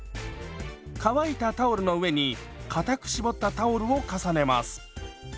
乾いたタオルの上にかたく絞ったタオルを重ねます。